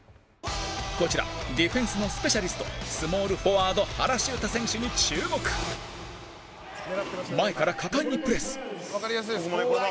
こちらディフェンスのスペシャリストスモールフォワード原修太選手に注目前から果敢にプレス澤部：わかりやすいです。